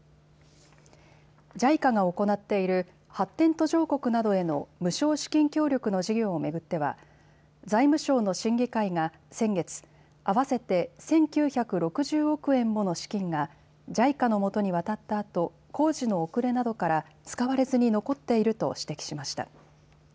ＪＩＣＡが行っている発展途上国などへの無償資金協力の事業を巡っては、財務省の審議会が先月、合わせて１９６０億円もの資金が、ＪＩＣＡのもとに渡ったあと、工事の遅れなどから使われずに残っていると指摘しました。